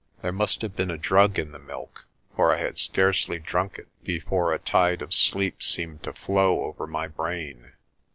There must have been a drug in the milk, for I had scarcely drunk it before a tide of sleep seemed to flow over my brain.